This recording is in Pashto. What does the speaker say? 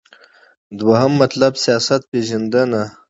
دوهم مطلب : سیاست پیژندنه